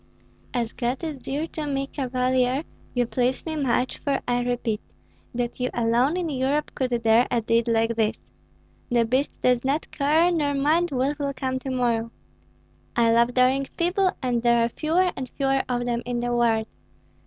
"As God is dear to me, Cavalier, you please me much; for I repeat that you alone in Europe could dare a deed like this. The beast does not care, nor mind what will come to morrow. I love daring people, and there are fewer and fewer of them in the world.